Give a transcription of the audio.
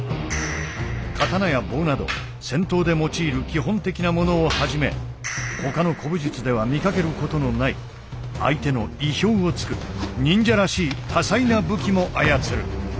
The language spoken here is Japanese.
刀や棒など戦闘で用いる基本的なものをはじめほかの古武術では見かけることのない相手の意表を突く忍者らしい多彩な武器も操る。